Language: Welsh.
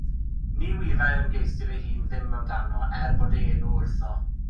Ni wyddai'r ym¬geisydd ei hun ddim amdano, er bod ei enw wrtho.